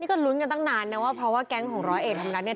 ก็ลุ้นกันตั้งนานนะว่าเพราะว่าแก๊งของร้อยเอกธรรมนัฐเนี่ย